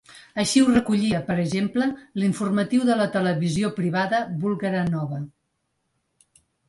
Així ho recollia, per exemple, l’informatiu de la televisió privada búlgara Nova.